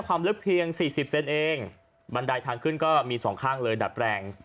ความลึกเพียงสี่สิบเซนเองบันไดทางขึ้นก็มีสองข้างเลยดัดแปลง